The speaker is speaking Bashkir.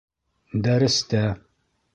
Дәрестә